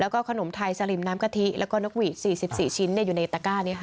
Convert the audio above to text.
แล้วก็ขนมไทยสลิมน้ำกะทิแล้วก็นกหวีด๔๔ชิ้นอยู่ในตะก้านี้ค่ะ